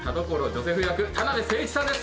ジョセフ役田辺誠一さんです